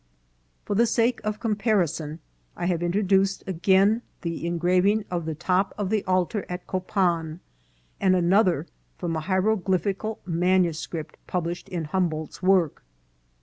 For the sake of comparison I have introduced again the engraving of the top of the altar at Copan, and another from a hieroglyphical manuscript published in Hum boldt's work.